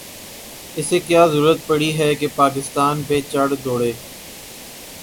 اسے کیا ضرورت پڑی ہے کہ پاکستان پہ چڑھ دوڑے۔